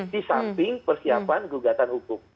di samping persiapan gugatan hukum